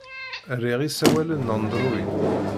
Riɣ isawalen n Android.